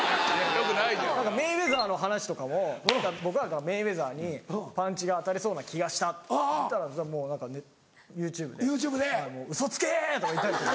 メイウェザーの話とかも僕メイウェザーに「パンチが当たりそうな気がした」って言ったらＹｏｕＴｕｂｅで「ウソつけ！」とか言ったりして。